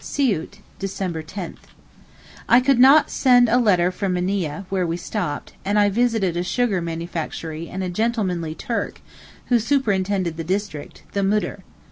SIOUT, December 10. I could not send a letter from Minieh, where we stopped, and I visited a sugar manufactory and a gentlemanly Turk, who superintended the district, the Moudir.